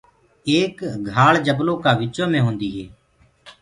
ايڪ گھآݪ جبلو ڪآ وچو مينٚ هوندي هي۔